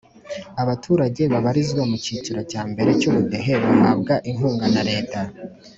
Abaturage babarizwa mukiciro cya mbere cyubudehe bahabwa inkunga na leta